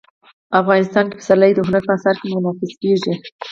افغانستان کې پسرلی د هنر په اثار کې منعکس کېږي.